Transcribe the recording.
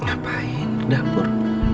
ngapain ke dapur